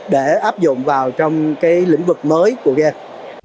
để áp dụng vào trong cái lĩnh vực mới của ga